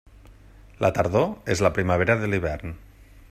La tardor és la primavera de l'hivern.